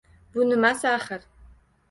Bu nimasi, axir?